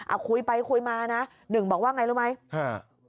อ่ะคุยไปคุยมานะหนึ่งบอกว่าไงรู้ไหมฮะ